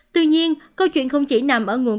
tuy nhiên câu chuyện không chỉ nằm ở nguồn